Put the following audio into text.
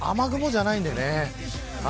でも雨雲じゃないんでね。